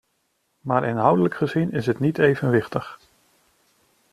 Maar inhoudelijk gezien is het niet evenwichtig.